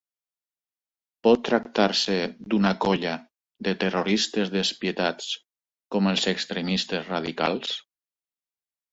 Pot tractar-se d'una colla de terroristes despietats com els extremistes radicals?